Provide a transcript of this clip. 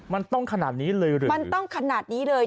มันต้องขนาดนี้เลยหรือมันต้องขนาดนี้เลย